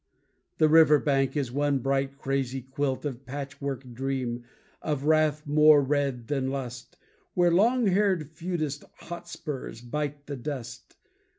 The river bank is one bright crazy quilt Of patch work dream, of wrath more red than lust, Where long haired feudist Hotspurs bite the dust